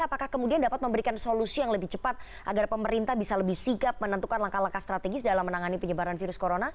apakah kemudian dapat memberikan solusi yang lebih cepat agar pemerintah bisa lebih sigap menentukan langkah langkah strategis dalam menangani penyebaran virus corona